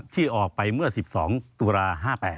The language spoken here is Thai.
ที่ออกไปเมื่อ๑๒ตุลา๕๘